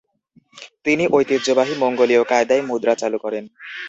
তিনি ঐতিহ্যবাহী মঙ্গোলীয় কায়দায় মুদ্রা চালু করেন।